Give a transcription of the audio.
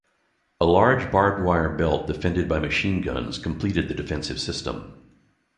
A large barbed wire belt defended by machine guns completed the defensive system.